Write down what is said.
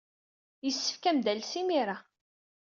Yessefk ad am-d-tales imir-a.